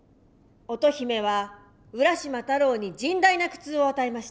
乙姫は浦島太郎に甚大な苦痛を与えました。